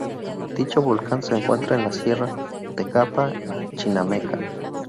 Dicho volcán se encuentra en la Sierra Tecapa-Chinameca.